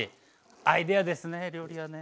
アイデアですね料理はね。